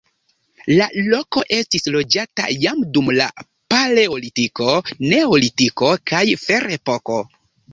La loko estis loĝata jam dum la paleolitiko, neolitiko kaj ferepoko.